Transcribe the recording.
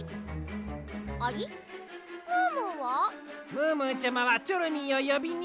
ムームーちゃまはチョロミーをよびに。